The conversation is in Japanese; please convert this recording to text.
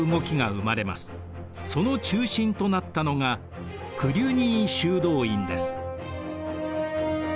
その中心となったのがクリュニー修道院です。